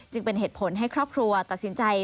เป็นเหตุผลให้ครอบครัวตัดสินใจ